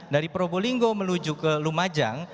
dari probolinggo menuju ke lumajang